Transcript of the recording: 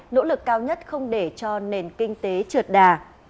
nỗ lực cao nhất không để cho nền kinh tế trượt đà